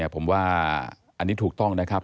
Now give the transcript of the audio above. ผมว่าอันนี้ถูกต้องนะครับ